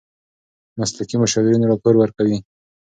مسلکي مشاورین راپور ورکوي.